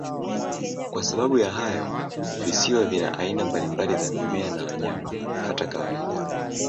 Kwa sababu ya hayo, visiwa vina aina mbalimbali za mimea na wanyama, hata kawaida.